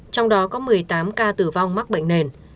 trong đó có một mươi tám ca tử vong mắc bệnh nền